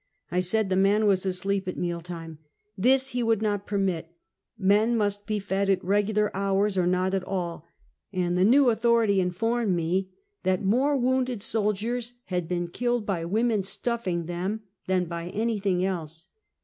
I said the man was asleep at meal time. This he would not permit, men must be fed at regular hours, or not at all, and the new authority informed me that " More wounded soldiers had been killed by women stuffing them than by anything else."